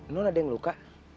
non ada yang luka